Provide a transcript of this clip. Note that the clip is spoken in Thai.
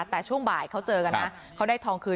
แต่ช่วงบ่ายเขาเจอกันนะเขาได้ทองคืน